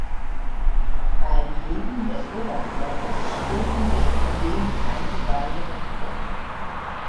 Beim Heben des Oberkörpers stülpen sich zudem die Eingeweide nach vorne.